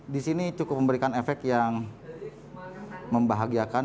disini cukup memberikan efek yang membahagiakan